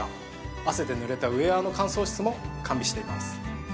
汗でぬれたウェアの乾燥室も完備しています。